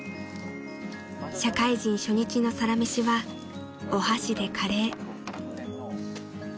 ［社会人初日のサラメシはお箸でカレー］